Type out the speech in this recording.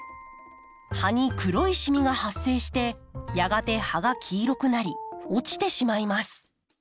葉に黒いシミが発生してやがて葉が黄色くなり落ちてしまいます。